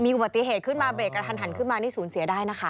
อุบัติเหตุขึ้นมาเบรกกระทันหันขึ้นมานี่สูญเสียได้นะคะ